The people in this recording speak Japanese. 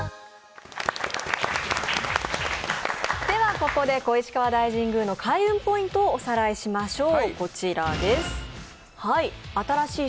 ここで小石川大神宮の開運ポイントをおさらいしましょう。